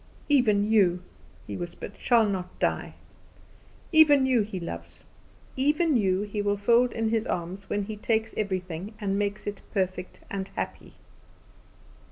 "Even you," he whispered, "shall not die. Even you He loves. Even you He will fold in His arms when He takes everything and makes it perfect and happy."